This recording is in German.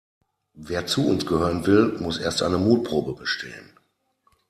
Wer zu uns gehören will, muss erst eine Mutprobe bestehen.